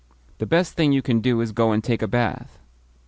The best thing you can do is to go and take a bath."